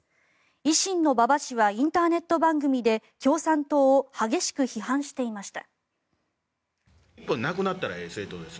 維新の馬場氏はインターネット番組で共産党を激しく批判していました。